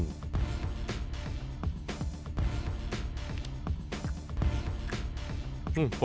ผมชอบเครื่องเท้า